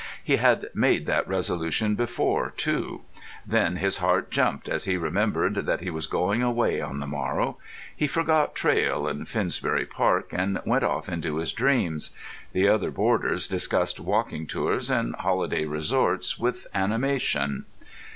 He had made that resolution before, too. Then his heart jumped as he remembered that he was going away on the morrow. He forgot Traill and Finsbury Park, and went off into his dreams. The other boarders discussed walking tours and holiday resorts with animation.